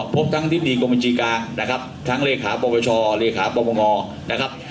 พบทั้งดินดีกรมจิกานะครับทั้งเลขาปกประชาเลขาปกประงอนะครับ